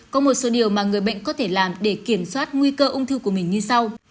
có một số điều mà người bệnh có thể làm để kiểm soát nguy cơ ung thư của mình như sau